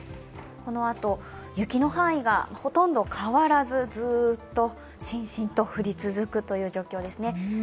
このあと雪の範囲がほとんど変わらず、ずっとしんしんと降り続く状況です。